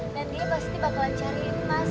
dan dia pasti bakalan cariin mas